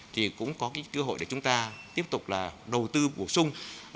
thì cũng có cái cơ hội để chúng ta tiếp tục là đầu tư bổ sung